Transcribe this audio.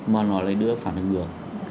mà nó lại đưa phản ứng ngược